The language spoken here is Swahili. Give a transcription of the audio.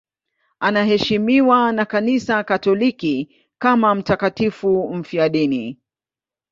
Anaheshimiwa na Kanisa Katoliki kama mtakatifu mfiadini.